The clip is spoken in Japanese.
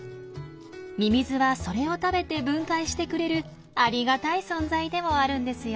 ミミズはそれを食べて分解してくれるありがたい存在でもあるんですよ。